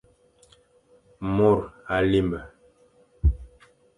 Mor à limbe.